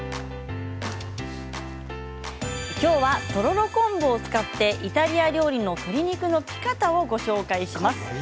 今日はとろろ昆布を使ってイタリア料理の鶏肉のピカタをご紹介します。